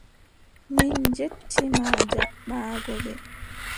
Min njetti ma jaɓɓaago ɓe.